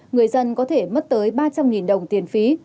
người dân có thể mất tới ba trăm linh đồng tiền phí